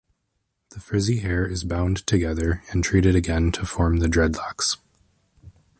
The frizzy hair is bound together and treated again to form the dreadlocks.